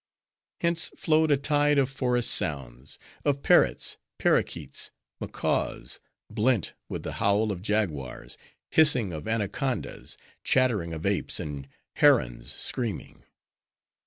Hence flowed a tide of forest sounds; of parrots, paroquets, macaws; blent with the howl of jaguars, hissing of anacondas, chattering of apes, and herons screaming.